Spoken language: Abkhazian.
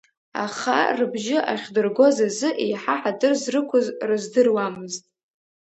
Аха рыбжьы ахьдыргоз азы еиҳа ҳаҭыр зрықәыз рыздыруамызт.